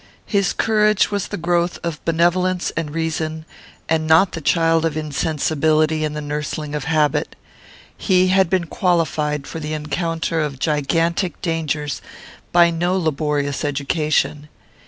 His courage was the growth of benevolence and reason, and not the child of insensibility and the nursling of habit. He had been qualified for the encounter of gigantic dangers by no laborious education.